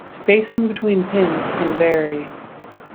Spacing between pins can vary.